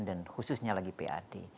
dan khususnya lagi pad